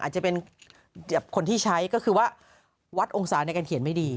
อาจจะเป็นคนที่ใช้ก็คือว่าวัดองศาในการเขียนไม่ดี